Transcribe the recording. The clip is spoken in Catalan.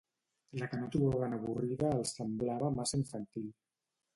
La que no trobaven avorrida els semblava massa infantil.